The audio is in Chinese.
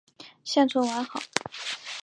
现存完好。